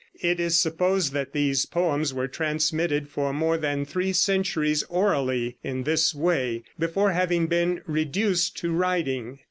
It is supposed that these poems were transmitted for more than three centuries orally in this way, before having been reduced to writing.